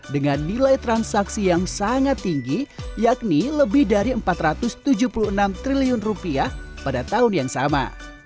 dengan nilai transaksi yang sangat tinggi yakni lebih dari empat ratus tujuh puluh enam triliun pada tahun yang sama